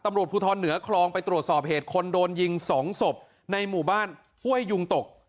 ตำรวจภูทรเหนือคลองไปตรวจสอบเหตุคนโดนยิง๒ศพในหมู่บ้านห้วยยุงตก